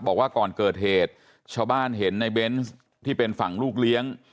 บอกว่าก่อนเกิดเหตุชาวบ้านเห็นในเบนส์ที่เป็นฝั่งลูกเลี้ยง